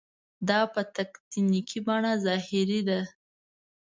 دا په تکتیکي بڼه ظاهري ده.